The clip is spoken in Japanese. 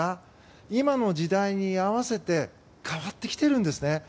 今の時代に合わせて変わってきてるんですね。